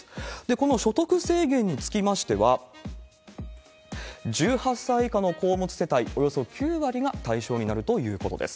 この所得制限につきましては、１８歳以下の子を持つ世帯、およそ９割が対象になるということです。